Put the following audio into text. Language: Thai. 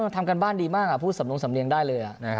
ทำการบ้านดีมากพูดสำนงสำเนียงได้เลย